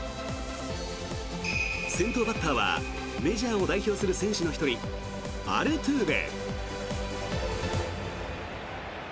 先頭バッターはメジャーを代表する選手の１人アルトゥーベ。